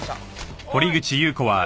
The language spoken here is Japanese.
はい！